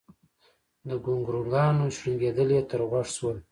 د ګونګرونګانو شړنګېدل يې تر غوږ شول